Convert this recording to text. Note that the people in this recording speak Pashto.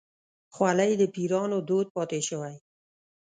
خولۍ د پيرانو دود پاتې شوی.